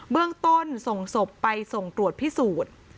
เรื่องต้นส่งศพไปส่งตรวจพิสูจน์